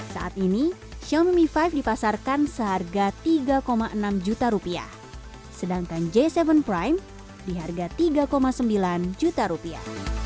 saat ini xiaomi mi lima dipasarkan seharga rp tiga enam juta sedangkan j tujuh prime di harga rp tiga sembilan juta